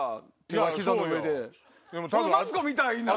マツコみたいなん。